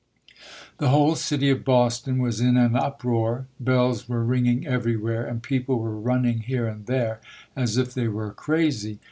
The whole city of Boston was in an uproar. Bells were ringing everywhere, and people were running here and there as if they were crazy.